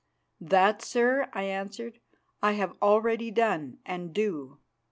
"That, sir," I answered, "I have already done and do.